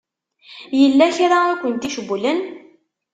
Yella kra i kent-icewwlen?